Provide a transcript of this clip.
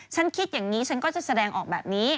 ฉันคิดอย่างนี้ฉันก็จะแสดงออกแบบนี้